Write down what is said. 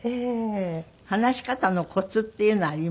話し方のコツっていうのあります？